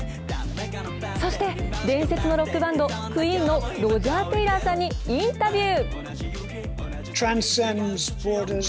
そして、伝説のロックバンド、クイーンのロジャー・テイラーさんにインタビュー。